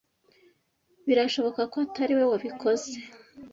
birashoboka ko atari we wabikoze